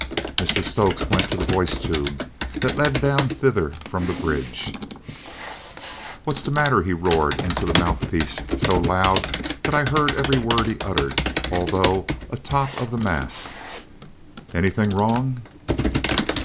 Mr Stokes went to the voice tube that led down thither from the bridge. "What's the matter?" he roared into the mouthpiece so loud that I heard every word he uttered, although a top of the mast. "Anything wrong?"